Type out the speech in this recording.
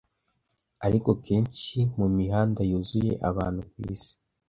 Ariko kenshi, mumihanda yuzuye abantu kwisi,